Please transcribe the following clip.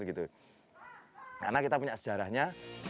karena kita punya sejarahnya